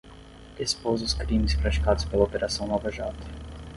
Expôs os crimes praticados pela operação Lava Jato